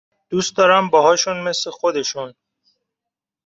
دوست دارم باهاشون مث خودشون